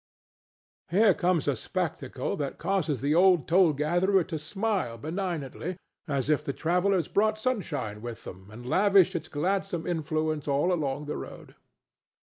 Here comes a spectacle that causes the old toll gatherer to smile benignantly, as if the travellers brought sunshine with them and lavished its gladsome influence all along the road.